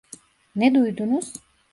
Ne duydunuz?